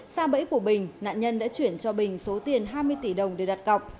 sao bẫy của bình nạn nhân đã chuyển cho bình số tiền hai mươi tỷ đồng để đặt cọc